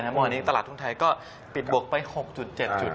เมื่อวานนี้ตลาดทุนไทยก็ปิดบวกไป๖๗จุด